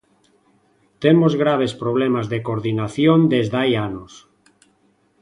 Temos graves problemas de coordinación desde hai anos.